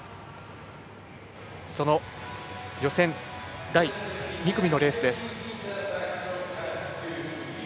その予選第２組のレースです。